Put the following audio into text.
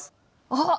あっ！